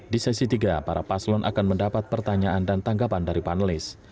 di sesi tiga para paslon akan mendapat pertanyaan dan tanggapan dari panelis